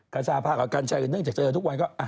คชาพากัญชัยนึกจากเจอให้ทุกวัน